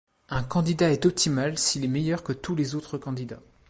Un candidat est optimal s'il est meilleur que tous les autres candidats.